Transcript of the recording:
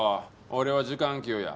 俺は時間給や。